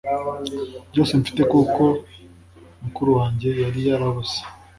byose mfite kuko mukuru wanjye yari yarabuze